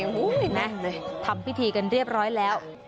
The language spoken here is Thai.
นี่ทำพิธีกันเรียบร้อยแล้ว